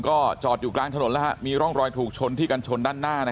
ก็จอดอยู่กลางถนนแล้วมีร่องรอยถูกชนที่กันชนด้านหน้า